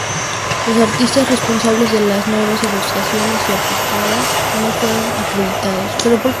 Los artistas responsables de las nuevas ilustraciones y portadas no fueron acreditados.